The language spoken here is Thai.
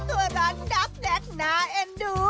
ตัวร้านดับแล็กน่าเอ็นดู